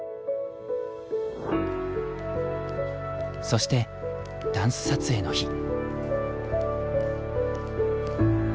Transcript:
そしてダンス撮影の日。